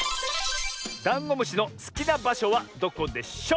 ダンゴムシのすきなばしょはどこでしょう？